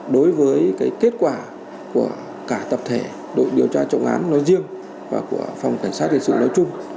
đối với kết quả của cả tập thể đội điều tra trọng án nói riêng và của phòng cảnh sát hình sự nói chung